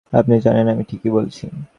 আপনি জানেন আমি ঠিকই বলছি।